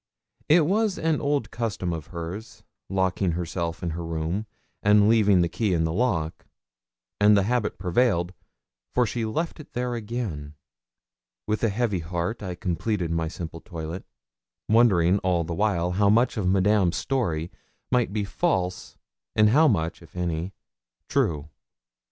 It was an old custom of hers, locking herself in her room, and leaving the key in the lock; and the habit prevailed, for she left it there again. With a heavy heart I completed my simple toilet, wondering all the while how much of Madame's story might be false and how much, if any, true.